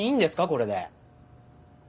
これで。